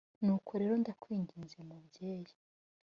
nuko rero ndakwinginze mubyeyi